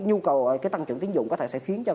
nhu cầu cái tăng trưởng tiến dụng có thể sẽ khiến cho